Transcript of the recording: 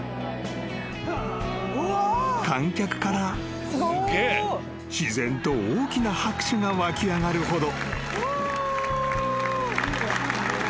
［観客から自然と大きな拍手が湧き上がるほど］